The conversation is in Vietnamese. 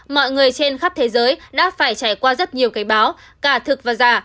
mọi người trên khắp thế giới đã phải trải qua rất nhiều cảnh báo cả thực và giả